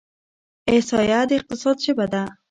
احصایه د اقتصاد ژبه ده.